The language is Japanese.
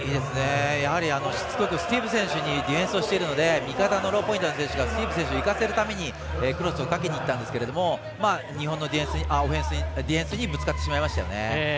やはりスティーブ選手にディフェンスをしているので味方のローポインターの選手がスティーブ選手いかせるためにぶつかっていったんですけど日本のディフェンスにぶつかってしまいましたよね。